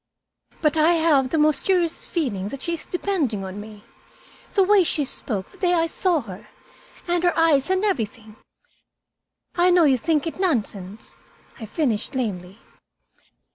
"But I have the most curious feeling that she is depending on me. The way she spoke the day I saw her, and her eyes and everything; I know you think it nonsense," I finished lamely.